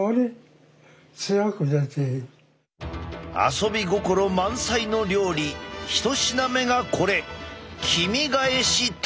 遊び心満載の料理１品目がこれ。